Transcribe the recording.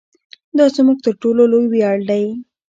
دا زموږ تر ټولو لوی ویاړ دی.